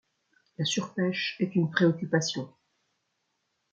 La surpêche est une préoccupation.